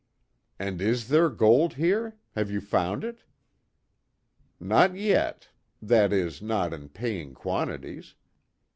"And is there gold here? Have you found it?" "Not yet. That is, not in paying quantities.